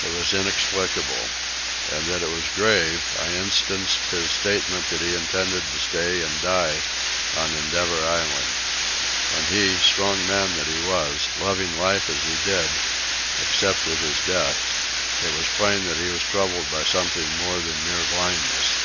It was inexplicable. And that it was grave, I instanced his statement that he intended to stay and die on Endeavour Island. When he, strong man that he was, loving life as he did, accepted his death, it was plain that he was troubled by something more than mere blindness.